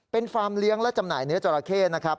เป็นฟาร์มเลี้ยงและจำหน่ายเนื้อจราเข้นะครับ